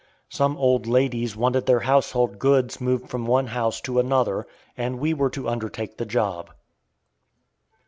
Some old ladies wanted their household goods moved from one house to another, and we were to undertake the job.